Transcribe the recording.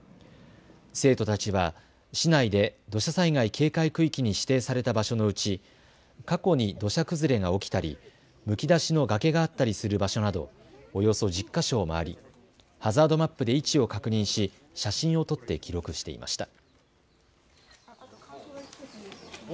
生徒たちは市内で土砂災害警戒区域に指定された場所のうち過去に土砂崩れが起きたりむき出しの崖があったりする場所などおよそ１０か所を回りハザードマップで位置を確認し写真を撮って記録していました。